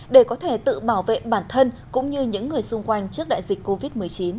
để có thể tự bảo vệ bản thân cũng như những người xung quanh trước đại dịch covid một mươi chín